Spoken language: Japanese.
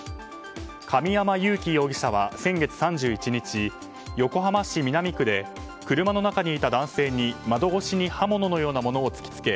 神山優輝容疑者は先月３１日横浜市南区で車の中にいた男性に窓越しに刃物のようなものを突き付け